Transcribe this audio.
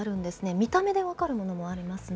見た目で分かるものもありますね。